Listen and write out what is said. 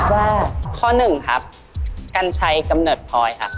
ว่าข้อหนึ่งครับกัญชัยกำเนิดพลอยครับ